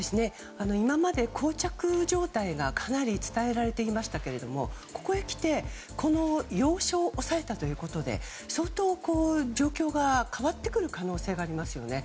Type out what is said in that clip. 今まで膠着状態がかなり伝えられていましたがここへきてこの要衝を押さえたということで相当、状況が変わってくる可能性がありますよね。